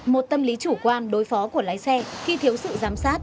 một tâm lý chủ quan đối phó của lái xe khi thiếu sự giám sát